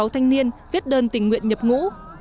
một bốn trăm ba mươi sáu thanh niên viết đơn tình nguyện nhập ngũ